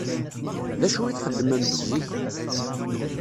D acu i txeddmemt zik?